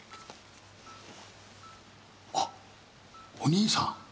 あお兄さん？